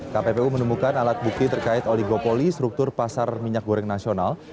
kppu menemukan alat bukti terkait oligopoli struktur pasar minyak goreng nasional